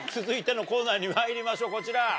続いてのコーナーにまいりましょうこちら。